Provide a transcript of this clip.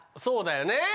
そうだよね。